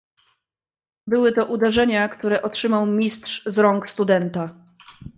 "Były to uderzenia, które otrzymał Mistrz z rąk studenta."